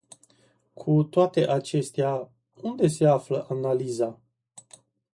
Cu toate acestea, unde se află analiza?